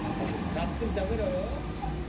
たっぷり食べろよ。